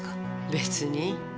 別に。